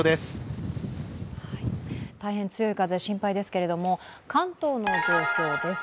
大変強い風、心配ですけれども、関東の状況です。